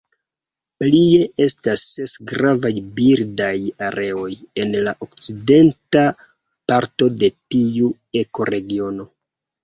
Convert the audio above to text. Plie, estas ses Gravaj birdaj areoj en la okcidenta parto de tiu ekoregiono.